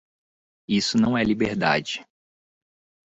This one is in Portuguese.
Isso não é liberdade.